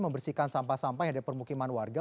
membersihkan sampah sampah yang ada di permukiman warga